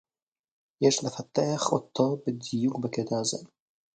יש לפתח אותו בדיוק בקטע הזה